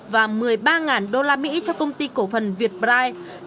và một mươi ba đô la mỹ cho công ty cổ phần việt pride